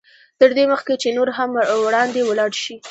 تر دې مخکې چې نور هم وړاندې ولاړ شئ.